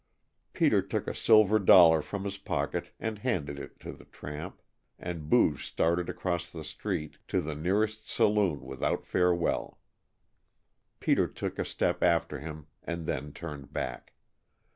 Peter took a silver dollar from his pocket and handed it to the tramp, and Booge started across the street to the nearest saloon without farewell. Peter took a step after him and then turned back.